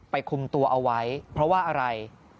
คุมตัวเอาไว้เพราะว่าอะไร